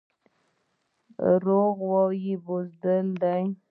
دروغ ویل بزدلي ده